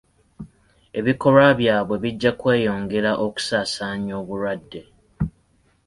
Ebikolwa byabwe bijja kweyongera okusaasaanya obulwadde.